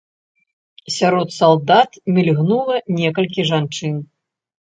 Сярод салдат мільганула некалькі жанчын.